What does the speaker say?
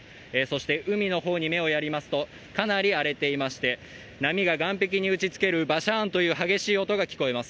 海の方に目をやりますと、かなり荒れていまして波が岸壁に打ちつけるガシャーンという音が聞こえます。